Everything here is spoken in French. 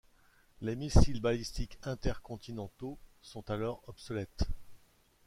Les missiles balistiques intercontinentaux sont alors obsolètes.